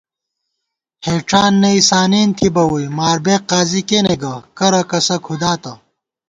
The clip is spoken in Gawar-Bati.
ہېڄان نئ سانېن تھِبہ وُئی، ماربېگ قاضی کېنےگہ کرہ کسہ کھُداتہ